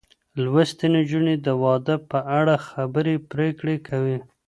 لوستې نجونې د واده په اړه خبرې پرېکړې کوي.